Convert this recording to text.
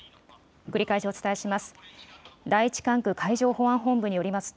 繰り返しお伝えします。